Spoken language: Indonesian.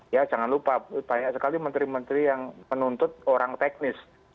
ya jangan lupa banyak sekali menteri menteri yang menuntut orang teknis